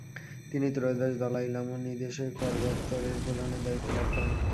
তিনি ত্রয়োদশ দলাই লামার নির্দেশে করদপ্তরের প্রধানের দায়িত্ব লাভ করেন।